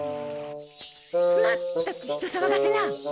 まったく人騒がせな！